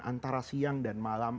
antara siang dan malam